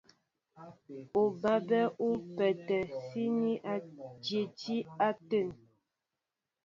Ubabɛ̂ ú pə́ə́tɛ́ síní a dyɛti áteŋ.